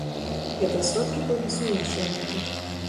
Гэтыя сродкі пойдуць на іншыя мэты.